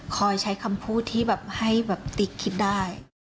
คอยใช้คำพูดที่แบบให้แบบติ๊กคิดได้